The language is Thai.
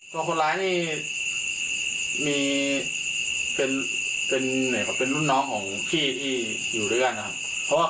ตัวคนร้ายนี่มีเป็นเป็นเหนื่อยกว่าเป็นรุ่นน้องของพี่ที่อยู่ด้วยกันนะครับ